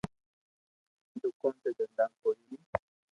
دوڪون تو دھندا ڪوئي ني